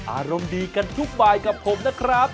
อารมณ์ดีกันทุกบายกับผมนะครับ